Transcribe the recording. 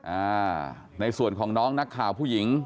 อ่าในส่วนของน้องนักข่าวผู้หญิง